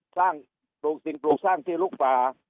ปลูกสิ่งปลูกสร้างที่ลุกป่า